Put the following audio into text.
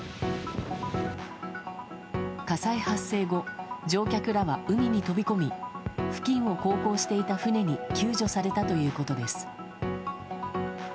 火災発生後乗客らは海に飛び込み付近を航行していた船に救助されたということです。